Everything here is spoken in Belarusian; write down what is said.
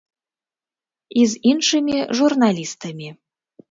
І з іншымі журналістамі.